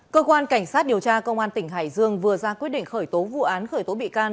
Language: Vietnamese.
cơ quan cảnh sát điều tra công an tỉnh hải dương vừa ra quyết định khởi tố vụ án khởi tố bị can